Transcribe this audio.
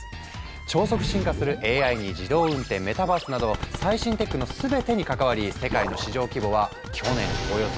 超速進化するＡＩに自動運転メタバースなど最新テックの全てに関わり世界の市場規模は去年およそ８０兆円！